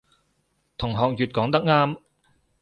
同學乙講得啱